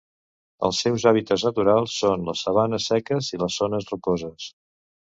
Els seus hàbitats naturals són les sabanes seques i les zones rocoses.